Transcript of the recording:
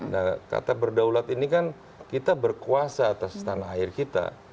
nah kata berdaulat ini kan kita berkuasa atas tanah air kita